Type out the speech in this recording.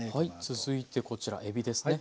続いてこちらえびですね。